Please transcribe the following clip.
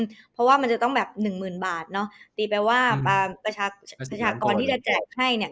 เพราะว่ามันจะต้องแบบหนึ่งหมื่นบาทเนอะตีแปลว่าประชากรที่จะแจกให้เนี่ย